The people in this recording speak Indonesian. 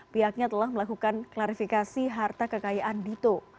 pihaknya telah melakukan klarifikasi harta kekayaan dito